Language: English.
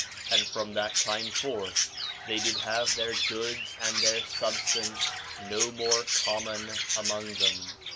4 Nephi 1:25 And from that time forth they did have their goods and their substance no more common among them.